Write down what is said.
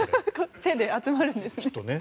「せ」で集まるんですね。